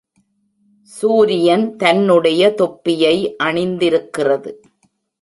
சூரியன் தன்னுடைய தொப்பியை அணிந்திருக்கிறது.